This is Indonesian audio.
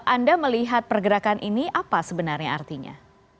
anda melihat pergerakan ini apa sebenarnya artinya